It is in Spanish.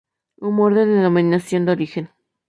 Humor con Denominación de Origen".